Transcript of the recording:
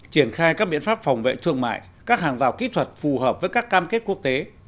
triển khai các biện pháp phòng vệ thương mại các hàng rào kỹ thuật phù hợp với các cam kết quốc tế